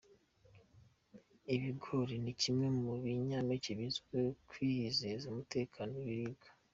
Ibigori ni kimwe mu binyampeke bizwiho kwizeza umutekano w’ibiribwa.